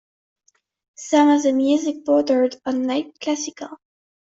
Some of the music bordered on light Classical.